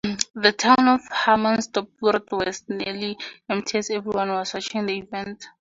The town of Hammondsport was nearly empty as everyone was watching the event.